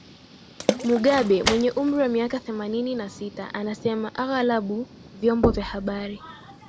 mugabe mwenye umri wa miaka themanini na sita anasema aghalabu vyombo vya habari